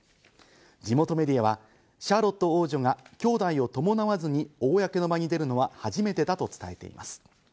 地元メディアはシャーロット王女がきょうだいを伴わずに公の場に出るのは初めてだと伝えています。